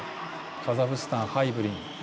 カザフスタン、ハイブリン。